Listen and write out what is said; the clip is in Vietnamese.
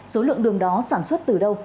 số lượng đường đó sản xuất từ đâu